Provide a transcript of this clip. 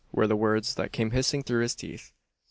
were the words that came hissing through his teeth.